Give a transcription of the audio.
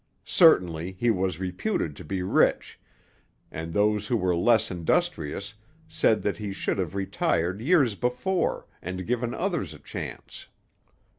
Certainly he was reputed to be rich, and those who were less industrious said that he should have retired years before, and given others a chance.